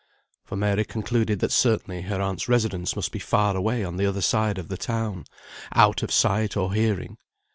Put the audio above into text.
For Mary concluded that certainly her aunt's residence must be far away on the other side of the town, out of sight or hearing.